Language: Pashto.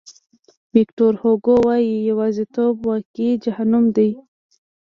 ویکتور هوګو وایي یوازیتوب واقعي جهنم دی.